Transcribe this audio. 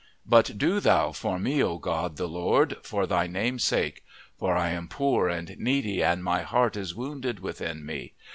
"But do Thou for me, O God the Lord, for Thy name's sake. For I am poor and needy, and my heart is wounded within me.